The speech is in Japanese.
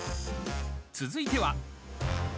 続いては。